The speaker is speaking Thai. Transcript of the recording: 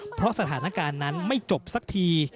เพราะสถานการณ์นั้นไม่จบสักที